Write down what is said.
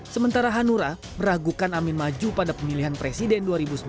sementara hanura meragukan amin maju pada pemilihan presiden dua ribu sembilan belas